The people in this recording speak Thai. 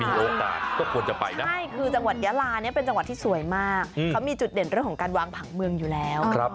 มีโอกาสก็ควรจะไปนะใช่คือจังหวัดยาลาเนี่ยเป็นจังหวัดที่สวยมากเขามีจุดเด่นเรื่องของการวางผังเมืองอยู่แล้ว